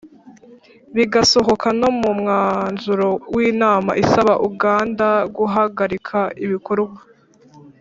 bigasohoka no mu myanzuro y’inama isaba uganda guhagarika ibikorwa